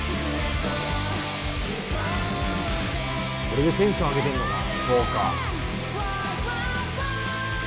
これでテンション上げてんのか。